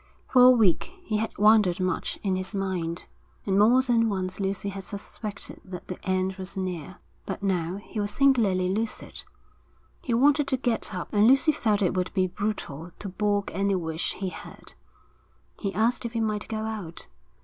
For a week he had wandered much in his mind, and more than once Lucy had suspected that the end was near; but now he was singularly lucid. He wanted to get up, and Lucy felt it would be brutal to balk any wish he had. He asked if he might go out.